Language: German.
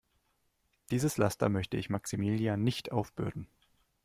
Dieses Laster möchte ich Maximilian nicht aufbürden.